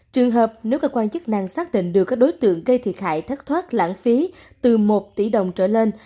trường hợp nếu cơ quan chức năng xác định được các đối tượng gây thiệt hại thất thoát lãng phí từ một tỷ đồng trở lên